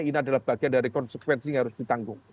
ini adalah bagian dari konsekuensi yang harus ditanggung